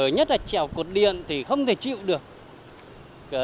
nhất là trèo cột điện thì không thể chịu được